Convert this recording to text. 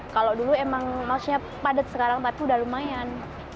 kalau dulu emang lossnya padat sekarang tapi udah lumayan